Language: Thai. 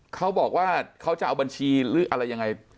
เขาบอกว่าเขาจะเอาบัญชีหรืออะไรยังไง